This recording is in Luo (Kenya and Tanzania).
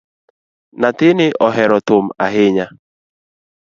Nyathini ohero thum ahinya